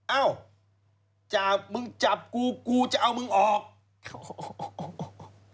เอ้าจะมึงจับกูกูจะเอามึงออกโอ้โฮโอ้โฮ